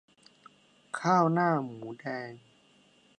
ข้าวหน้าหมูแดง